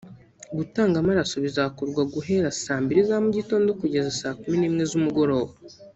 Gutanga amaraso bizakorwa guhera saa mbiri za mu gitondo kugeza saa kumi n’imwe z’umugoroba